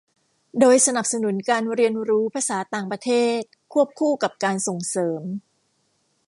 โดยสนับสนุนการเรียนรู้ภาษาต่างประเทศควบคู่กับการส่งเสริม